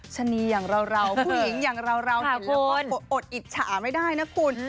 ชะนีอย่างเราผู้หญิงอย่างเราเห็นแล้วก็อดอิจฉาไม่ได้นะคุณ